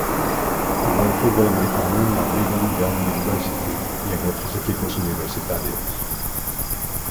Jugó al fútbol americano en la Brigham Young University, y en otros equipos universitarios.